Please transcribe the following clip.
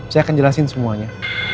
saya akan jelasin semuanya